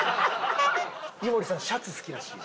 井森さんシャツ好きらしい。